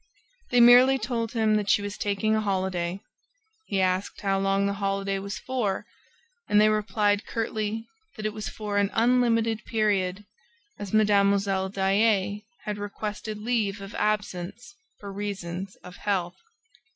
They merely told him that she was taking a holiday. He asked how long the holiday was for, and they replied curtly that it was for an unlimited period, as Mlle. Daae had requested leave of absence for reasons of health.